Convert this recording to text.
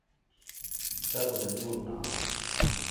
کتابونی دور نام۔